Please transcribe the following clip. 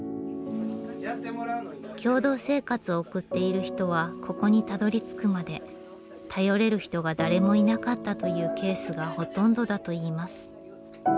共同生活を送っている人はここにたどりつくまで頼れる人が誰もいなかったというケースがほとんどだといいます。